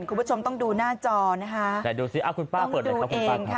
คุณผู้ชมต้องดูหน้าจอนะคะแต่ดูสิอ้าวคุณป้าต้องดูเองค่ะ